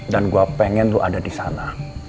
dan gue pengen lo ada disana